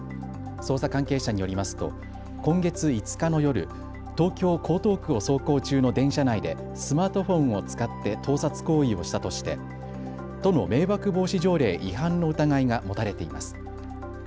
捜査関係者によりますと今月５日の夜、東京江東区を走行中の電車内でスマートフォンを使って盗撮行為をしたとして都の迷惑防止条例違反の疑いが持たれています。